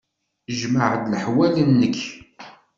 Jmeɛ-d leḥwal-nnek.